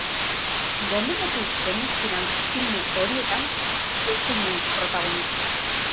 Gomendatu zenizkidan filme horietan zu zinen protagonista.